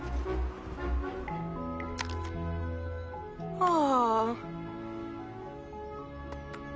ああ！